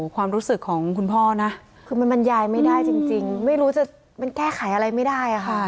ความรู้สึกของคุณพ่อนะคือมันบรรยายไม่ได้จริงไม่รู้จะมันแก้ไขอะไรไม่ได้ค่ะ